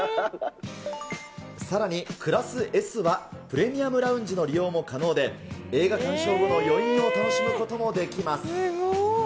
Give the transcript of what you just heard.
さらにクラスＳは、プレミアムラウンジの利用も可能で、映画鑑賞後の余韻を楽しむこともできます。